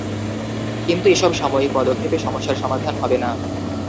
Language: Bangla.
কিন্তু এসব সাময়িক পদক্ষেপে সমস্যার সমাধান হবে না।